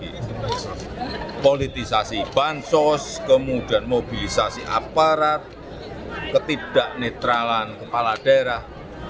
intervensi aparat kemudian politisasi bansos kemudian mobilisasi aparat ketidaknetralan kepala daerah